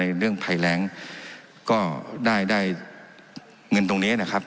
ในเรื่องไพแรงก์ก็ได้ได้เงินตรงเนี้ยนะครับ